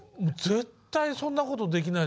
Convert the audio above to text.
絶対そんなことできないですね。